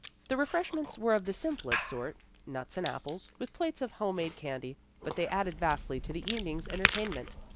The refreshments were of the simplest sort; nuts and apples, with plates of home made candy, but they added vastly to the evening's entertainment.